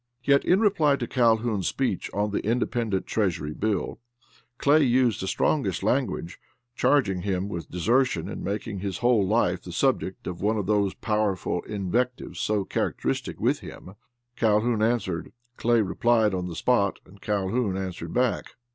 Yet, in reply to Calhoun's speech on the Independent Treasury bill, Clay used the strongest language, charging him with desertion, and making his whole life the subject of one of those powerful invectives so characteristic with him. Calhoun answered; Clay replied on the spot, and Calhoun answered back.